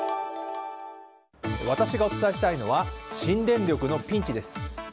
私がお伝えしたいのは新電力のピンチです。